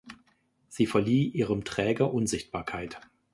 Sie verlieh ihrem Träger Unsichtbarkeit.